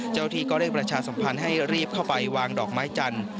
เจ้าหน้าที่ก็เรียกประชาสัมพันธ์ให้รีบเข้าไปวางดอกไม้จันทร์